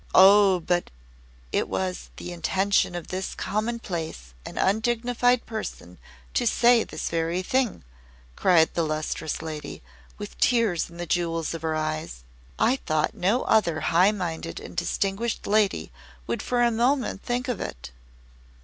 "Oh, but it was the intention of this commonplace and undignified person to say this very thing!" cried the Lustrous Lady, with tears in the jewels of her eyes. "I thought no other high minded and distinguished lady would for a moment think of it."